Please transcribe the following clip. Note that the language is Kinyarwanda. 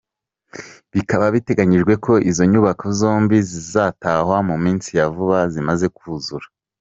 Bikaba biteganyijwe ko izo nyubako zombi zizatahwa mu minsi ya vuba zimaze kuzura.